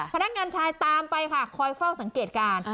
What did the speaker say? พนักงานชายตามไปค่ะคอยเฝ้าสังเกตการณ์